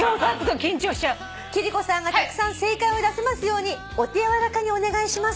「貴理子さんがたくさん正解を出せますようにお手柔らかにお願いします」